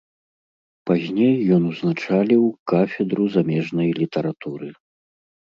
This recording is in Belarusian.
Пазней ён узначаліў кафедру замежнай літаратуры.